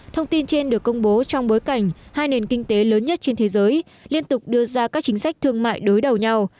thông tin trên được công bố trong bối cảnh hai nền kinh tế lớn nhất trên thế giới liên tục đưa ra các chính sách thương mại đối đầu nhau